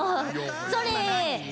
それ！